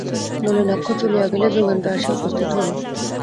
নলিনাক্ষ চলিয়া গেলে যোগেন্দ্র আসিয়া উপস্থিত হইল।